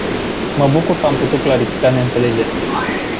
Mă bucur că am putut clarifica neînțelegerea.